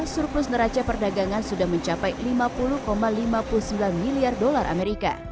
surplus neraca perdagangan sudah mencapai rp lima puluh lima puluh sembilan miliar